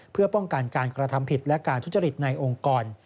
เพื่อป้องกันการกระทำผิดและการทุจริตในองค์กร